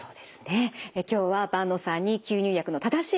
今日は坂野さんに吸入薬の正しいやり方